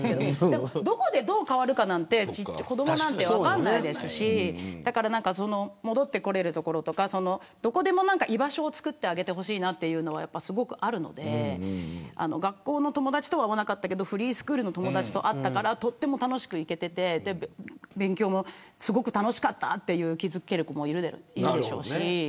どこで、どう変わるかなんて子どもなんて分からないですし戻ってこれる所とか、どこでも居場所をつくってあげてほしいというのがあるので学校の友達とは合わなかったけどフリースクールの友達と合ったからとても楽しく行けて勉強も楽しいと気付ける子もいるでしょうし。